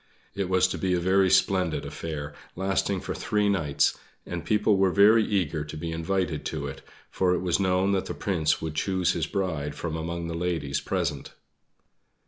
It was to be a very splendid affair, lasting for three nights, and people were very eager to be invited to it, for it was known that the Prince would choose his bride from among the ladies present.